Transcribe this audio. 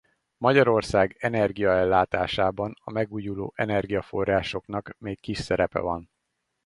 Magyarország energiaellátásában a megújuló energiaforrásoknak még kis szerepe van.